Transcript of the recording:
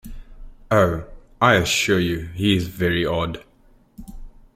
Oh, I assure you he is very odd!